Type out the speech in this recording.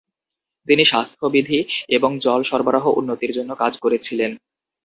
তিনি স্বাস্থ্যবিধি এবং জল সরবরাহ উন্নতির জন্য কাজ করেছিলেন।